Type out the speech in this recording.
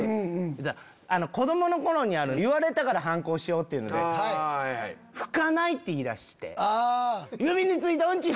そしたら子供の頃にある言われたから反抗っていうので「拭かない」って言いだして。